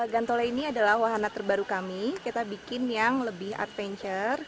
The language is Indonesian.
gantole ini adalah wahana terbaru kami kita bikin yang lebih adventure